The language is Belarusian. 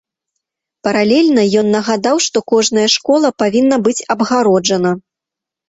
Паралельна ён нагадаў, што кожная школа павінна быць абгароджана.